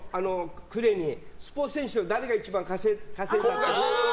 暮れに、スポーツ選手で誰が一番稼いだって。